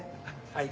はい。